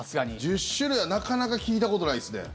１０種類はなかなか聞いたことないですね。